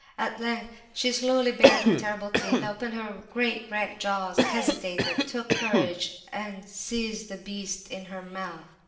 At length she slowly bared her terrible teeth, opened her great red jaws, hesitated—took courage, and seized the beast in her mouth.